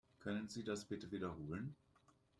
Können Sie das bitte wiederholen?